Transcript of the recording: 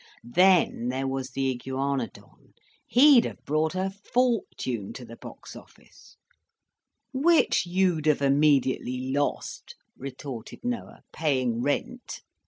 Then there was the Iguanadon. He'd have brought a fortune to the box office " "Which you'd have immediately lost," retorted Noah, "paying rent.